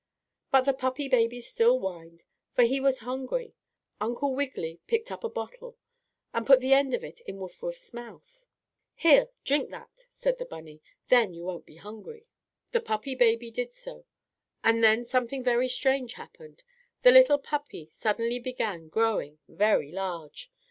But the puppy baby still whined, for he was hungry. Uncle Wiggily picked up a bottle and put the end of it in Wuff Wuff's mouth. "Here, drink that," said the bunny. "Then you won't be hungry." The puppy baby did so, and then something very strange happened. The little puppy suddenly began growing very large.